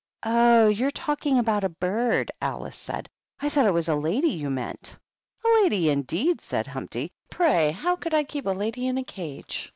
"Oh, you are talking about a birdy^ Alice said. "I thought it was a lady you meant." " A lady, indeed !" said Humpty. " Pray, how could I keep a lady in a cage?